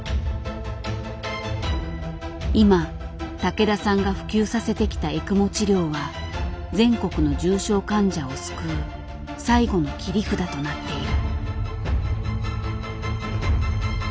今竹田さんが普及させてきたエクモ治療は全国の重症患者を救う「最後の切り札」となっている。